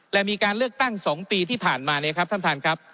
และมีการเลือกตั้ง๒ปีที่ผ่านมาเนี่ยครับท่านท่านครับ